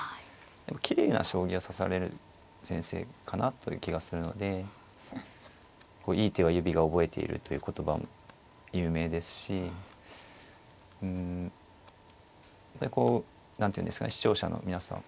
きれいな将棋を指される先生かなという気がするので「いい手は指が覚えている」という言葉も有名ですしうんこう何ていうんですかね視聴者の皆さん